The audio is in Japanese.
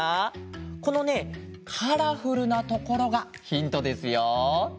このねカラフルなところがヒントですよ。